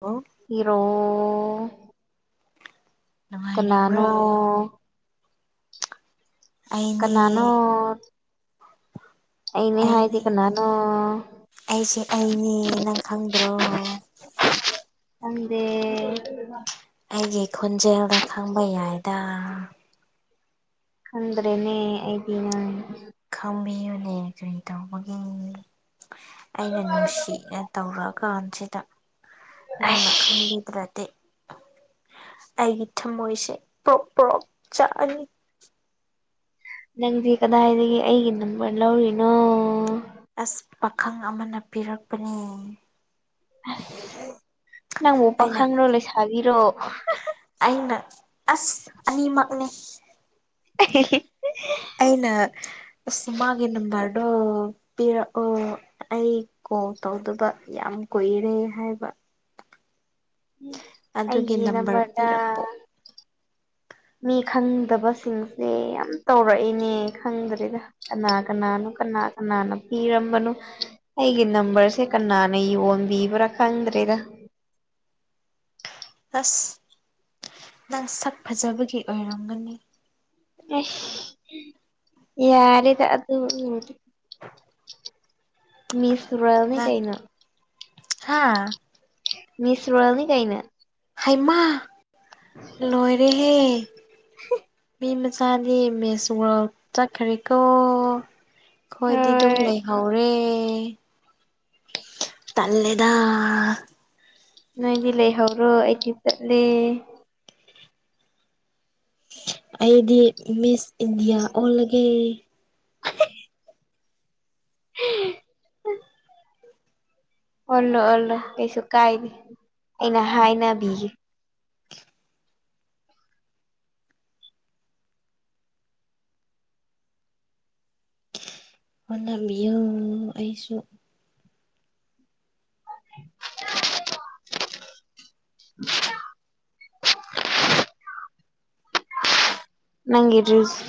ꯑꯣ ꯏꯔꯣ ꯅꯨꯡꯉꯥꯏꯔꯤꯕ꯭ꯔꯣ ꯀꯅꯥꯅꯣ ꯑꯩꯅꯦ ꯀꯅꯥꯅꯣ? ꯑꯩꯅꯦ ꯍꯥꯏꯗꯤ ꯀꯅꯥꯅꯣ꯫ ꯑꯩꯁꯦ ꯑꯩꯅꯦ ꯅꯪ ꯈꯪꯗ꯭ꯔꯣ꯫ ꯈꯪꯗꯦ ꯑꯩꯒꯤ ꯈꯣꯟꯖꯦꯜꯗ ꯈꯪꯕ ꯌꯥꯏꯗ꯫ ꯈꯟꯗ꯭ꯔꯦꯅꯦ ꯑꯩꯗꯤ ꯅꯪ꯫ ꯈꯪꯕꯤꯌꯨꯅꯦ ꯀꯔꯤ ꯇꯧꯕꯒꯤ ꯑꯩꯅ ꯅꯨꯡꯁꯤꯅ ꯇꯧꯔꯛ ꯀꯥꯟꯁꯤꯗ ꯅꯪꯅ ꯑꯩꯁ ꯈꯪꯕꯤꯗ꯭ꯔꯗꯤ꯫ ꯑꯩꯒꯤ ꯊꯃꯣꯏꯁꯦ ꯄ꯭ꯔꯣꯛ ꯄ꯭ꯔꯣꯛ ꯆꯥꯛꯑꯅꯤ꯫ ꯅꯪꯗꯤ ꯀꯗꯥꯏꯗꯒꯤ ꯑꯩꯒꯤ ꯅꯝꯕꯔ ꯂꯧꯔꯤꯅꯣ꯫ ꯑꯁ ꯄꯥꯈꯪ ꯑꯃꯅ ꯄꯤꯔꯛꯄꯅꯤ꯫ ꯑꯁ ꯅꯪꯕꯨ ꯑꯩꯅ ꯄꯈꯪꯔꯣ ꯂꯩꯁꯥꯕꯤꯔꯣ꯫ ꯑꯩꯅ ꯑꯁ ꯑꯅꯤꯃꯛꯅꯤ [unintelligible] ꯑꯩꯅ ꯑꯁ ꯃꯥꯒꯤ ꯅꯝꯕꯔꯗꯣ ꯄꯤꯔꯛꯑꯣ ꯑꯩ ꯀꯣꯜ ꯇꯧꯗꯕ ꯌꯥꯝ ꯀꯨꯏꯔꯦ ꯍꯥꯏꯕ ꯎꯝ ꯑꯗꯨꯒꯤ ꯑꯩꯒꯤ ꯅꯝꯕꯔ ꯅꯝꯕꯔꯗ ꯄꯤꯔꯛꯄꯣ ꯃꯤ ꯈꯪꯗꯕꯁꯤꯡꯁꯦ ꯌꯥꯝ ꯇꯧꯔꯛꯑꯦꯅꯦ ꯈꯪꯗ꯭ꯔꯦꯗ ꯀꯅꯥ ꯀꯅꯥꯅꯣ ꯀꯅꯥ ꯀꯅꯥꯅ ꯄꯤꯔꯝꯕꯅꯣ ꯑꯩꯒꯤ ꯅꯝꯕꯔꯁꯦ ꯀꯅꯥꯅ ꯌꯣꯟꯕꯤꯕ꯭ꯔꯥ ꯈꯪꯗ꯭ꯔꯦꯗ ꯑꯁ ꯅꯪ ꯁꯛ ꯐꯖꯕꯒꯤ ꯑꯣꯏꯔꯝꯒꯅꯤ ꯑꯁ ꯌꯥꯔꯦꯗ ꯑꯗꯨꯌꯧꯔꯗꯤ ꯃꯤꯁ ꯔꯣꯌꯜꯅꯤ ꯀꯩꯅꯣ ꯍꯥꯥ ꯃꯤꯁ ꯋꯥꯔꯜꯅꯤ ꯀꯩꯅꯣ ꯍꯩꯃꯥ ꯂꯣꯏꯔꯦꯍꯦ [unintelligible] ꯃꯤ ꯃꯆꯥꯗꯤ ꯃꯤꯁ ꯋꯥ꯭ꯔꯜ ꯆꯠꯈ꯭ꯔꯦꯀꯣ ꯑꯩꯈꯣꯏꯗꯤ ꯑꯗꯨꯝ ꯍꯣꯏ ꯂꯩꯍꯧꯔꯦ ꯇꯜꯂꯦꯗ ꯅꯣꯏꯗꯤ ꯂꯩꯍꯧꯔꯣ ꯑꯩꯗꯤ ꯆꯠꯂꯦ ꯑꯩꯗꯤ ꯃꯤꯁ ꯏꯟꯗꯤꯌꯥ ꯑꯣꯜꯂꯒꯦ [unintelligible] [unintelligible] ꯑꯣꯜꯂꯣ ꯑꯣꯜꯂꯣ ꯀꯩꯁꯨ ꯀꯥꯏꯗꯦ ꯑꯩꯅ ꯍꯥꯏꯅꯕꯤꯒꯦ ꯑꯣꯜꯂꯝꯕꯤꯌꯣ ꯑꯩꯁꯨ [unintelligible] [inaudible] [unintelligible] [inaudible] ꯅꯪꯒꯤ ꯔꯤꯜꯁ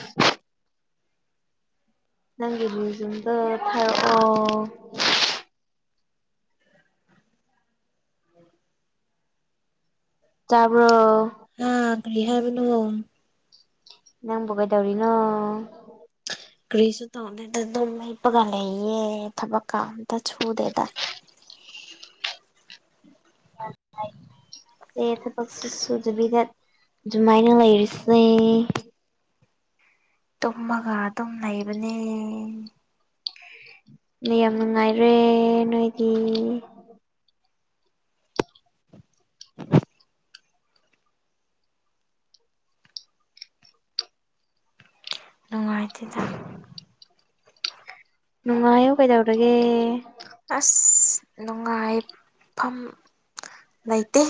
ꯅꯪꯒꯤ ꯔꯤꯜꯁ ꯁꯤꯡꯗꯣ ꯊꯥꯔꯛꯑꯣ ꯇꯥꯕ꯭ꯔꯣ ꯍꯥ ꯀꯔꯤ ꯍꯥꯏꯕꯅꯣ ꯅꯪꯕꯨ ꯀꯩꯗꯧꯔꯤꯅꯣ ꯀ꯭ꯔꯤꯁꯨ ꯇꯧꯗꯦꯗ ꯑꯗꯨꯝ ꯍꯤꯞꯄꯒ ꯂꯩꯌꯦ ꯊꯕꯛꯀ ꯑꯝꯇ ꯁꯨꯗꯦꯗ ꯁꯦ ꯊꯕꯛꯁꯨꯨ ꯁꯨꯗꯕꯤꯗ ꯑꯗꯨꯃꯥꯏꯅ ꯂꯩꯔꯤꯁꯦ ꯇꯨꯝꯃꯒ ꯑꯗꯨꯝ ꯂꯩꯕꯅꯦ ꯃꯌꯥꯝ ꯅꯨꯡꯉꯥꯏꯔꯦ ꯅꯣꯏꯗꯤ [unintelligible] [inaudible] ꯅꯨꯡꯉꯥꯏꯇꯦꯗ ꯅꯨꯡꯉꯥꯏꯌꯨ ꯀꯩꯗꯧꯔꯒꯦ ꯑꯁ ꯅꯨꯡꯉꯥꯏꯐꯝ ꯂꯩꯇꯦ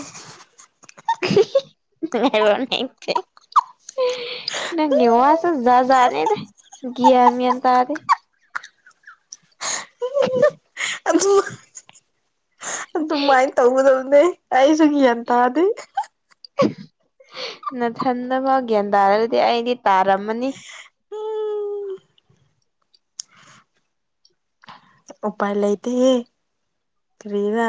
[unintelligible] ꯅꯨꯡꯉꯥꯏꯐꯝ ꯂꯩꯇꯦ [unintelligible] ꯅꯪꯒꯤ ꯋꯥꯁꯦ ꯖꯥꯠ ꯖꯥꯠꯅꯦꯗ ꯒ꯭ꯌꯥꯟ ꯃꯦꯟ ꯇꯥꯗꯦ [unintelligible] ꯑꯗꯨ ꯑꯗꯨꯃꯥꯏꯅ ꯇꯧꯒꯗꯕꯅꯦ ꯑꯩꯁꯨ ꯒ꯭ꯌꯥꯟ ꯇꯥꯗꯦ ꯅꯊꯟꯇꯐꯥꯎ ꯒ꯭ꯌꯥꯟ ꯇꯥꯗꯔꯗꯤ ꯑꯩꯗꯤ ꯇꯥꯔꯝꯃꯅꯤ ꯎꯄꯥꯏ ꯂꯩꯇꯦꯍꯦ ꯀꯔꯤꯔꯥ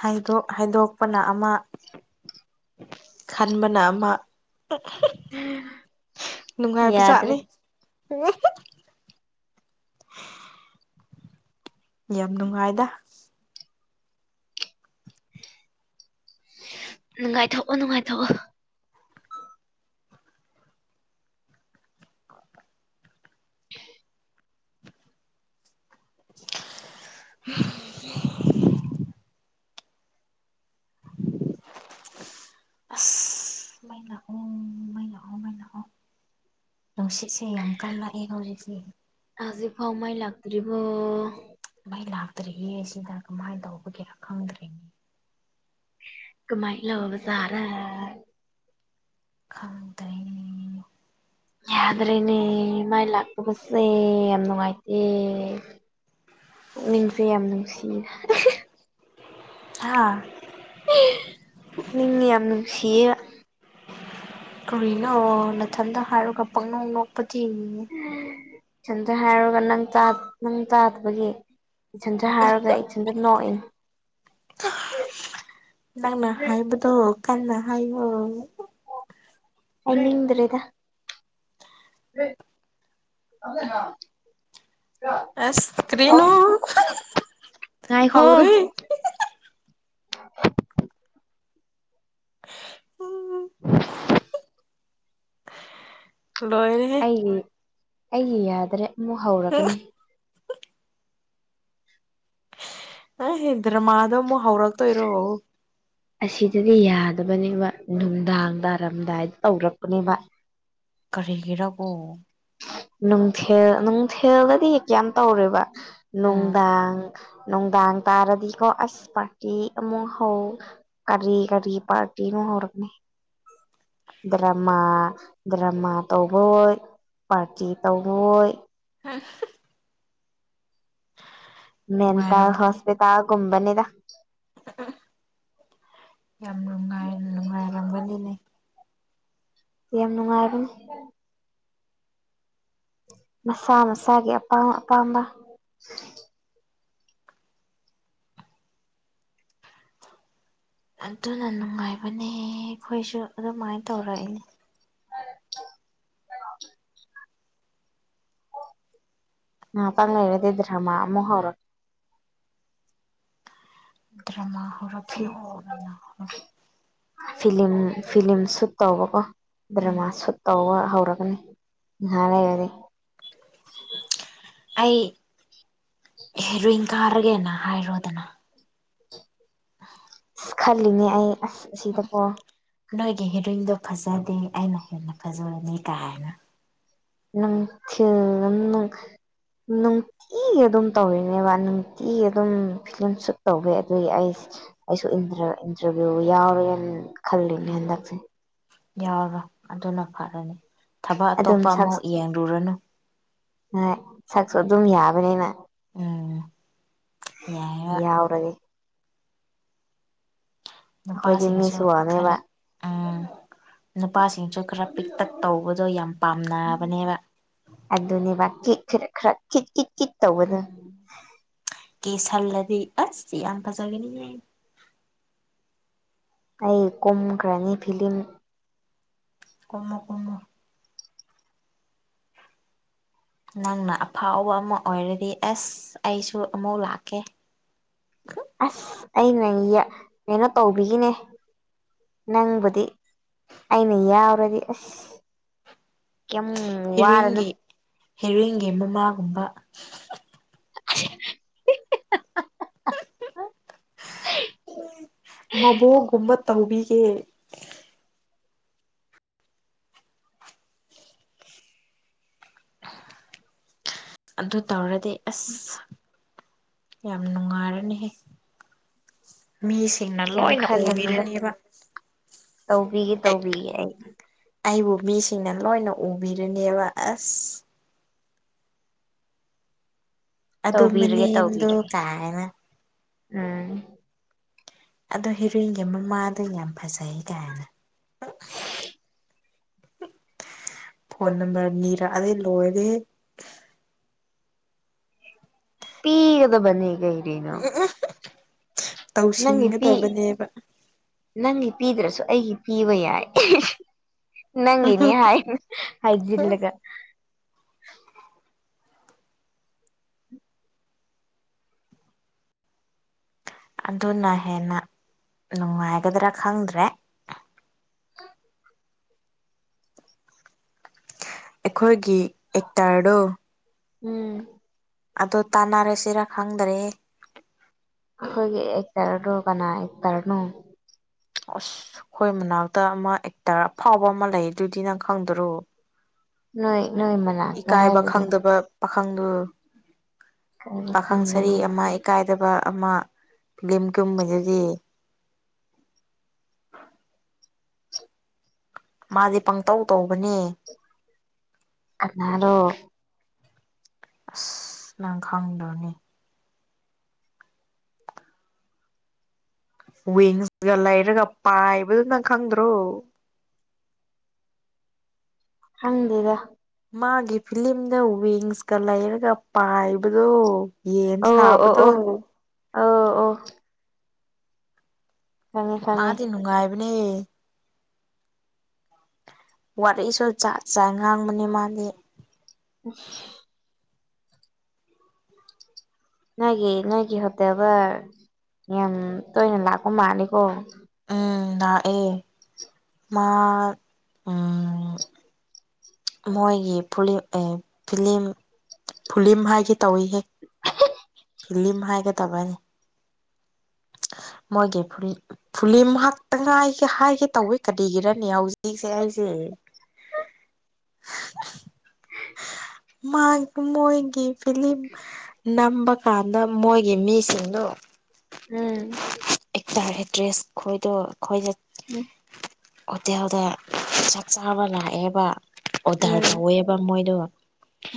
ꯍꯥꯏꯗꯣꯛ ꯍꯥꯏꯗꯣꯛꯄꯅ ꯑꯃ ꯈꯟꯕꯅ ꯑꯃ ꯅꯨꯡꯉꯥꯏꯕ ꯌꯥꯗ꯭ꯔꯦ ꯖꯥꯠꯅꯤ [unintelligible] [inaudible] ꯌꯥꯝ ꯅꯨꯡꯉꯥꯏꯗ ꯅꯨꯡꯉꯥꯏꯊꯣꯛꯑꯣ ꯅꯨꯡꯉꯥꯏꯊꯣꯛꯑꯣ ꯑꯁ ꯃꯩ ꯂꯥꯛꯑꯣ ꯃꯩ ꯂꯥꯛꯑꯣ ꯃꯩ ꯂꯥꯛꯑꯣ ꯅꯨꯡꯁꯤꯠꯁꯦ ꯌꯥꯝ ꯀꯜꯂꯛꯑꯦ ꯍꯧꯖꯤꯛꯁꯦ꯫ ꯍꯧꯖꯤꯛꯐꯥꯎ ꯃꯩ ꯂꯥꯛꯇ꯭ꯔꯤꯕꯣ? ꯃꯩ ꯂꯥꯛꯇ꯭ꯔꯤꯌꯦ ꯁꯤꯗ ꯀꯃꯥꯏꯅ ꯇꯧꯕꯒꯤꯔ ꯈꯪꯗ꯭ꯔꯦꯅꯦ ꯀꯃꯥꯏ ꯂꯧꯕꯖꯥꯠꯂꯥ ꯈꯣꯗ꯭ꯔꯦꯅꯦ ꯌꯥꯗ꯭ꯔꯦꯅꯦ ꯃꯩ ꯂꯥꯛꯇꯕꯁꯦ ꯌꯥꯝ ꯅꯨꯡꯉꯥꯏꯇꯦ꯫ ꯄꯨꯛꯅꯤꯡꯁꯦ ꯌꯥꯝ ꯅꯨꯡꯁꯤ ꯍꯥꯥ ꯄꯨꯛꯅꯤꯡꯒ ꯌꯥꯝ ꯅꯨꯡꯁꯤꯌꯦ ꯀꯔꯤꯅꯣ ꯅꯥꯊꯟꯗ ꯍꯥꯏꯔꯒ ꯄꯪꯅꯣꯛ ꯅꯣꯛꯄꯗꯤ꯫ ꯏꯊꯟꯇ ꯍꯥꯏꯔꯒ ꯅꯪ ꯇꯥ ꯅꯪꯇꯥꯗꯕꯒꯤ ꯏꯊꯟꯇ ꯍꯥꯏꯔꯒ ꯏꯊꯟꯇ ꯅꯣꯛꯏꯅꯤ ꯅꯪꯅ ꯍꯥꯏꯕꯗꯣ ꯀꯥꯟꯅ ꯍꯥꯏꯌꯣ ꯍꯥꯏꯅꯤꯡꯗ꯭ꯔꯦꯗ ꯑꯁ ꯀꯔꯤꯅꯣ ꯉꯥꯏꯈꯣ ꯍꯧꯔꯦ [unintelligible] [inaudible] ꯂꯣꯏꯔꯦ [unintelligible] ꯑꯩꯒꯤ ꯌꯥꯗ꯭ꯔꯦ ꯑꯃꯨꯛ ꯍꯧꯔꯛꯀꯅꯤ꯫ ꯑꯍꯦ ꯗ꯭ꯔꯥꯃꯥꯗꯣ ꯑꯃꯨꯛ ꯍꯧꯔꯛꯇꯣꯏꯔꯣ꯫ ꯑꯁꯤꯗꯗꯤ ꯌꯥꯗꯕꯅꯦꯕ ꯅꯨꯡꯗꯥꯡ ꯇꯥꯔꯝꯗꯥꯏꯗ ꯇꯧꯔꯛꯄꯅꯦꯕ꯫ ꯀꯔꯤꯒꯤꯔꯕꯣ ꯅꯨꯡꯊꯤꯜ ꯅꯨꯡꯊꯤꯜꯗꯗꯤ ꯀꯩꯌꯝ ꯇꯧꯔꯣꯏꯕ ꯑꯥ ꯅꯨꯡꯗꯥꯡ ꯅꯨꯡꯗꯥꯡ ꯇꯥꯔꯗꯤꯀꯣ ꯑꯁ ꯄꯥꯔꯇꯤ ꯑꯃꯨꯛ ꯍꯧ ꯀꯔꯤ ꯀꯔꯤ ꯄꯔꯇꯤꯅꯣ ꯍꯩꯔꯛꯅꯤ ꯗ꯭ꯔꯃꯥ ꯗ꯭ꯔꯃꯥ ꯇꯧꯕ ꯑꯣꯏ ꯄꯥꯔꯇꯤ ꯇꯧꯕ ꯑꯣꯏ ꯍ ꯃꯦꯟꯇꯜ ꯅꯨꯡꯉꯥꯏꯔꯝꯒꯅꯤ ꯍꯣꯁꯄꯤꯇꯥꯜꯒꯨꯝꯕꯅꯤꯗ ꯌꯥꯝ ꯅꯨꯡꯉꯥꯏ ꯅꯨꯡꯉꯥꯏꯔꯝꯒꯅꯤꯅꯦ꯫ ꯌꯥꯝ ꯅꯨꯡꯉꯥꯏꯕꯅꯦ꯫ ꯃꯁꯥ ꯃꯁꯥꯒꯤ ꯑꯄꯥꯝ ꯑꯄꯥꯝꯕ ꯑꯗꯨꯅ ꯅꯨꯡꯉꯥꯏꯕꯅꯦ ꯑꯩꯈꯣꯏꯁꯨ ꯑꯗꯨꯃꯥꯏꯅ ꯇꯧꯔꯛꯏꯅꯦ꯫ [unintelligible] ꯉꯥꯇꯪ ꯂꯩꯔꯗꯤ ꯗ꯭ꯔꯃꯥ ꯑꯃꯨꯛ ꯍꯧꯔꯛ ꯗ꯭ꯔꯃꯥ ꯍꯧꯔꯛꯈꯤꯅꯣꯅ ꯂꯥꯎꯍꯜꯂꯣ ꯐꯤꯂꯤꯝ ꯐꯤꯂꯤꯝ ꯁꯨꯠ ꯇꯧꯕꯀꯣ ꯎꯝ ꯗ꯭ꯔꯃꯥ ꯁꯨꯠ ꯇꯧꯕ ꯍꯧꯔꯒꯅꯤ꯫ ꯉꯍꯥꯛ ꯂꯩꯔꯗꯤ ꯑꯩ ꯍꯦꯔꯨꯏꯟ ꯀꯥꯔꯒꯦꯅ ꯍꯥꯏꯔꯣꯗꯅ ꯈꯜꯂꯤꯅꯦ ꯑꯩ ꯑꯁ ꯑꯁꯤꯗꯀꯣ ꯅꯣꯏꯒꯤ ꯍꯦꯔꯣꯏꯟꯗꯣ ꯐꯖꯗꯦ ꯑꯩꯅ ꯍꯦꯟꯅ ꯐꯖꯕꯅꯤ ꯀꯥꯏꯅ꯫ [unintelligible] ꯪꯅꯨꯡ ꯀꯤ ꯑꯗꯨꯝ ꯇꯧꯔꯤꯅꯦꯕ ꯅꯨꯡꯇꯤꯒꯤ ꯑꯗꯨꯝ ꯐꯤꯂꯝ ꯁꯨꯠ ꯇꯧꯋꯦ ꯑꯗꯨꯒꯤ ꯑꯩ ꯑꯩꯁꯨ ꯏꯟꯇꯔꯥ ꯏꯟꯇꯔꯚꯤꯌꯨ ꯌꯥꯎꯔꯦꯅ ꯈꯜꯂꯤꯅꯦ ꯍꯟꯗꯛꯁꯦ ꯌꯥꯎꯔꯣ ꯑꯗꯨꯅ ꯐꯔꯅꯤ ꯊꯕꯛ ꯑꯗꯨꯝ ꯑꯇꯣꯞꯄ ꯑꯃꯧ ꯌꯦꯡꯂꯨꯔꯅꯨ ꯍꯣꯏ ꯁꯛꯁꯨ ꯑꯗꯨꯝ ꯌꯥꯕꯅꯤꯅ ꯎꯝ ꯌꯥꯏꯔ ꯌꯥꯎꯔꯒ‌ꯦ ꯑꯩꯈꯣꯏꯗꯤ ꯅꯨꯄꯥꯁꯤꯡꯁꯨ ꯃꯤꯁꯨ ꯋꯥꯡꯑ‌ꯦꯕ ꯈꯔ ꯎꯝ ꯅꯨꯄꯥꯁꯤꯡꯁꯨ ꯈꯔꯥ ꯄꯤꯛꯇꯛ ꯇꯧꯕꯗꯣ ꯌꯥꯝ ꯄꯥꯝꯅꯕꯅꯦꯕ ꯑꯗꯨꯅꯦꯕ ꯀꯤꯛ ꯈꯔ ꯈꯔ ꯀꯤꯠ ꯀꯤꯠ ꯀꯤꯠ ꯇꯧꯕꯗꯨ ꯀꯦꯁꯟꯂꯗꯤ ꯑꯁ ꯌꯥꯝꯐꯖꯒꯅꯤꯅ‌ꯦ ꯑꯩ ꯀꯨꯝꯈ꯭ꯔꯅꯤ ꯐꯤꯂꯝ ꯀꯨꯝꯃꫭ ꯀꯨꯝꯃꫭ ꯅꯪꯅ ꯑꯐꯥꯎꯕ ꯑꯃꯥ ꯑꯣꯏꯔꯗꯤ ꯑꯁ ꯑꯩꯁꯨ ꯑꯃꯨꯛ ꯂꯥꯛꯀꯦ ꯑꯁ ꯑꯩꯅ ꯌꯥ ꯀꯩꯅꯣ ꯇꯧꯕꯤꯒ‌ꯦꯅꯦ ꯅꯪꯕꯨꯗꯤ ꯑꯩꯅ ꯌꯥꯎꯔꯗꯤ ꯑꯁ ꯀꯩꯝ ꯋꯥꯔꯅꯨ ꯍꯦꯔꯣꯏꯟꯒꯤ ꯍꯦꯔꯣꯏꯟꯒꯤ ꯃꯃꯥꯒꯨꯝꯕ [unintelligible] ꯍ [unintelligible] ꯃꯕꯣꯛꯒꯨꯝꯕ ꯇꯧꯕꯤꯒꯦ ꯑꯗꯨ ꯇꯧꯔꯗꯤ ꯑꯁ ꯌꯥꯝ ꯅꯨꯡꯉꯥꯏꯔꯅꯤꯍꯦ ꯃꯤꯁꯤꯡꯅ ꯀꯩꯝ ꯂꯣꯏꯅ ꯈꯜꯂꯨꯅꯨꯗ ꯎꯕꯤꯔꯅꯦꯕ ꯇꯧꯕꯤꯒꯦ ꯑꯩ ꯇꯧꯕꯤꯒꯦ ꯑꯩ ꯑꯩꯕꯨ ꯃꯤꯁꯤꯡꯅ ꯂꯣꯏꯅ ꯎꯕꯤꯔꯅꯦꯕ ꯑꯁ ꯑꯗꯨ ꯇꯧꯕꯤꯔꯒꯦ ꯃꯅꯦꯝꯗꯣ ꯇꯧꯕꯤꯔꯒꯦ ꯀꯥꯏꯅ ꯎꯝ ꯑꯗꯣ ꯍꯦꯔꯣꯏꯟꯒꯤ ꯃꯃꯥꯗꯣ ꯌꯥꯝ ꯐꯖꯩ ꯀꯥꯏꯅ ꯐꯣꯟ ꯅꯝꯕꯔ ꯅꯅꯤꯔꯛꯑꯗꫭ ꯂꯣꯏꯔ‌ꯦꯍ‌ꯦ ꯄꯤꯒꯗꯅꯤ ꯀꯩꯒꯤ ꯎꯝ [unintelligible] ꯅꯪꯒꯤ ꯄꯤ ꯅꯪꯒꯤ ꯄꯤꯗ꯭ꯔꯁꯨ ꯑꯩꯒꯤ ꯄꯤꯕ ꯌꯥꯏ ꯅꯪꯒꯤꯅꯤ ꯍꯥꯏ ꯍꯥꯏꯖꯂꯒ ꯑꯗꯨꯅ ꯍꯦꯟꯅ ꯅꯨꯡꯉꯥꯏꯒꯗ꯭ꯔꯥ ꯈꯪꯗ꯭ꯔꯦ [inaudible] ꯑꯩꯈꯣꯏꯒꯤ ꯑꯦꯛꯇꯔꯗꯣ ꯎꯝ ꯑꯗꯨ ꯇꯥꯟꯅꯔꯁꯤꯔ ꯈꯪꯗ꯭ꯔꯦ ꯑꯩꯈꯣꯏꯒꯤ ꯑꯦꯛꯇꯔꯗꯣ ꯀꯅꯥ ꯑꯦꯛꯇꯔꯅꯣ ꯑꯁ ꯑꯩꯈꯣꯏ ꯃꯅꯥꯛꯇ ꯑꯃꯥ ꯑꯦꯛꯇꯔ ꯑꯐꯥꯎꯕ ꯑꯃꯥ ꯂꯩ ꯑꯗꯨꯗꯤ ꯅꯪ ꯈꯪꯗꯔꯣ ꯅꯣꯏ ꯅꯣꯏ ꯃꯥꯅ ꯏꯀꯥꯏꯕ ꯈꯪꯗꯕ ꯄꯥꯈꯪꯗꯨ ꯀꯔꯤ ꯄꯥꯈꯪ ꯈꯪꯗꯕ ꯁꯔꯤ ꯑꯃꯥ ꯏꯀꯥꯏ ꯐꯖꯕ ꯑꯃꯥ ꯐꯤꯂꯝꯀꯨꯝꯕꯗꯨꯗꯤ ꯃꯗꯤ ꯄꯪꯇꯧ ꯇꯧꯕꯅꯦ ꯀꯅꯔꯣ ꯑꯁ ꯅꯪ ꯈꯪꯗ꯭ꯔꫭꯅꯤ ꯋꯤꯡꯁꯒ ꯂꯩꯔꯒ ꯄꯥꯏꯕꯗꯨ ꯅꯪ ꯈꯪꯗ꯭ꯔꯣ ꯈꯪꯗ‌ꯦꯗꯥ ꯃꯥꯒꯤ ꯐꯤꯂꯤꯝꯗ ꯋꯤꯡꯁꯀ ꯂꯩꯔꯒ ꯄꯥꯏꯕꯗꯣ ꯌꯦꯟ ꯁꯥꯕꯗꯣ ꯑꯎ ꯑꯎ ꯈꯪꯉꯦ ꯈꯪꯉꯦ ꯃꯥꯗꯤ ꯅꯨꯡꯉꯥꯏꯕꯅꯦ ꯋꯥꯔꯤꯁꯨ ꯖꯠ ꯖꯠ ꯉꯥꯡꯕꯅꯤ ꯃꯥꯗꯤ [inaudible] ꯅꯣꯏꯒꯤ ꯅꯣꯏꯒꯤ ꯍꯣꯇꯦꯜꯗ ꯌꯥꯝ ꯇꯣꯏꯅ ꯂꯥꯛꯄ ꯃꯥꯜꯂꯤꯀꯣ ꯎꯝ ꯂꯛꯑꯦ ꯃꯥ ꯎꯝ ꯃꯣꯏꯒꯤ ꯐꯨꯂꯤꯝ ꯑꯦ ꯐꯤꯂꯤꯝ ꯐꯨꯂꯤꯝ ꯍꯥꯏꯒꯦ ꯇꯧꯏꯍꯦ ꯐꯤꯂꯤꯝ ꯍꯥꯏꯒꯗꯕꯅꯦ ꯃꯣꯏꯒꯤ ꯐꯨꯔꯤꯠ ꯐꯨꯂꯤꯝ ꯍꯥꯛꯇ ꯉꯥꯏꯒꯦ ꯍꯥꯏꯒꯦ ꯇꯧꯋꯦ ꯀꯔꯤꯒꯤꯔꯅꯦ ꯍꯧꯖꯤꯛꯁꯦ ꯑꯩꯁꯦ ꯃꯥꯥꯛ ꯃꯣꯏꯒꯤ ꯐꯤꯂꯤꯝ ꯅꯝꯕ ꯀꯥꯟꯗ ꯃꯣꯏꯒꯤ ꯃꯤꯁꯤꯡꯗꯣ ꯎꯝ ꯑꯦꯛꯇꯔ ꯑꯦꯛꯇ꯭ꯔꯦꯁ ꯈꯣꯏꯗꯣ ꯑꯩꯈꯣꯏꯗ [inaudible] ꯍꯣꯇꯦꯜꯗ ꯆꯥꯛ ꯆꯥꯕ ꯂꯥꯛꯑꯦꯕ ꯑꯣꯗꯔ ꯇꯧꯋꯦꯕ ꯃꯣꯏꯗꯣ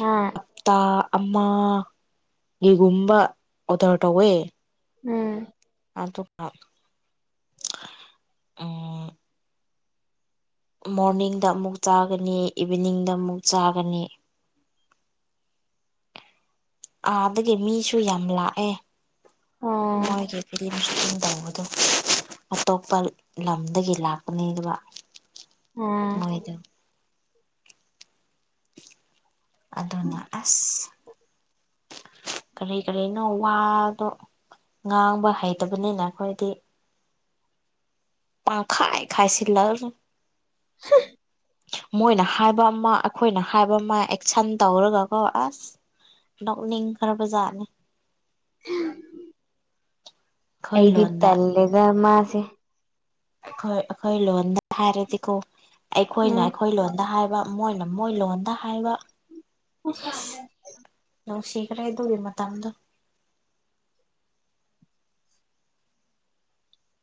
ꯑꯥ ꯍꯞꯇꯥ ꯑꯃ ꯒꯤꯒꯨꯝꯕ ꯑꯣꯗꯔ ꯇꯧꯋꯦ ꯎꯝ ꯑꯗꯨꯒ ꯎꯝ ꯃꯣꯔꯅꯤꯡꯗ ꯑꯃꯨꯛ ꯆꯥꯒꯅꯤ ꯏꯚꯤꯅꯤꯡꯗ ꯑꯃꯨꯛ ꯆꯥꯒꯅꯤ ꯑꯥꯗꯒꯤ ꯃꯤꯁꯨ ꯌꯥꯝ ꯂꯥꯛꯑꯦ ꯑꯣ ꯃꯣꯏꯒꯤ ꯐꯤꯂꯤꯝ ꯁꯨꯇꯤꯡ ꯇꯧꯕ ꯑꯇꯣꯞꯄ ꯂꯝꯗꯒꯤ ꯂꯥꯛꯄꯅꯤ ꯑꯗꯨꯒꯕ ꯑꯣ ꯃꯣꯏꯗꯣ ꯑꯗꯨꯅ ꯑꯁ ꯀ꯭ꯔꯤ ꯀ꯭ꯔꯤꯅꯣ ꯋꯥꯗꯣ ꯉꯥꯡꯕ ꯍꯩꯇꯕꯅꯤꯅ ꯑꯩꯈꯣꯏꯗꯤ ꯄꯥꯈꯥꯏ ꯈꯥꯏꯁꯤꯜꯂꯛꯑꯅꯤ [inaudible] ꯃꯣꯏꯅ ꯍꯥꯏꯕ ꯑꯃ ꯑꯩꯈꯣꯏꯅ ꯍꯥꯏꯕ ꯑꯃ ꯑꯦꯛꯁꯟ ꯇꯧꯔꯒꯀꯣ ꯑꯁ ꯅꯣꯛꯅꯤꯡ ꯈ꯭ꯔꯕ ꯖꯥꯠꯅꯤ [inaudible] ꯑꯩꯈꯣꯏ ꯑꯩꯗꯤ ꯂꯣꯟꯗ ꯇꯜꯂꯦꯗ ꯃꯥꯁꯦ ꯑꯩꯈꯣꯏ ꯑꯩꯈꯣꯏ ꯂꯣꯟꯗ ꯍꯥꯏꯔꯗꯤꯀꯣ ꯑꯩꯈꯣꯏꯅ ꯎꯝ ꯑꯩꯈꯣꯏ ꯂꯣꯟꯗ ꯍꯥꯏꯕ ꯃꯣꯏꯅ ꯃꯣꯏ ꯂꯣꯟꯗ ꯍꯥꯏꯕ ꯑꯁ ꯅꯨꯡꯁꯤꯈ꯭ꯔꯦ ꯑꯗꯨꯒꯤ ꯃꯇꯝꯗꯣ